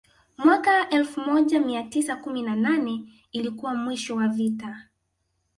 Mwaka wa elfu moja mia tisa kumi na nane ilikuwa mwisho wa vita